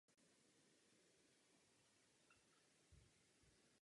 Je zde zakázán koupání a rybolov.